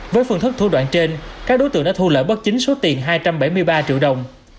với phương thức thu đoạn trên các đối tượng đã thu lỡ bất chính số tiền hai trăm bảy mươi ba triệu đồng